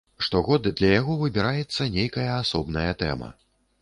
Штогод для яго выбіраецца нейкая асобная тэма.